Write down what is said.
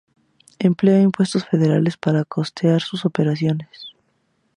Emplea impuestos federales para costear sus operaciones.